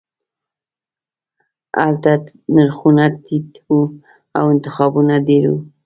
هلته نرخونه ټیټ وو او انتخابونه ډیر وو